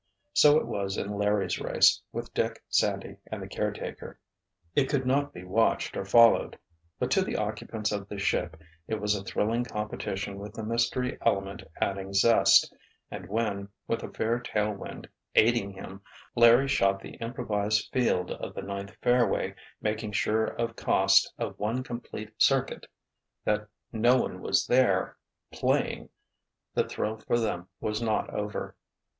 So it was in Larry's race, with Dick, Sandy and the caretaker. It could not be watched or followed; but to the occupants of the ship it was a thrilling competition with the mystery element adding zest; and when, with a fair tailwind aiding him, Larry shot the improvised "field" of the ninth fairway, making sure at cost of one complete circuit that no one was there, playing, the thrill for them was not over.